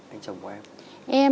anh chồng của em